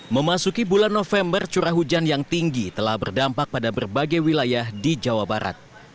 memasuki bulan november curah hujan yang tinggi telah berdampak pada berbagai wilayah di jawa barat